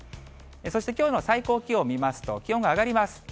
そしてきょうの最高気温見ますと、気温が上がります。